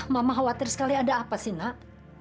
mama khawatir sekali ada apa sih nak